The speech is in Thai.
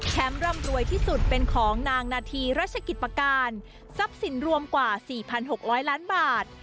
ร่ำรวยที่สุดเป็นของนางนาธีรัชกิจประการทรัพย์สินรวมกว่า๔๖๐๐ล้านบาท